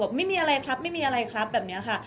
ไม่มีอะไรครับไม่มีอะไรครับแบบนี้ค่ะ